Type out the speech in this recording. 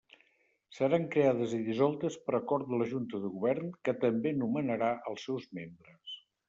Seran creades i dissoltes per acord de la Junta de Govern, que també nomenarà els seus membres.